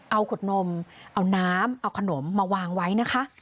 เอาขวดนมเอาน้ำเอาขนมมาวางไว้นะคะ